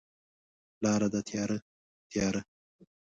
لاره ده تیاره، تیاره